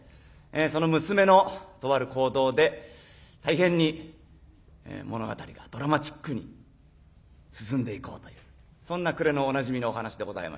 その娘のとある行動で大変に物語がドラマチックに進んでいこうというそんな暮れのおなじみのお噺でございまして。